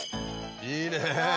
いいね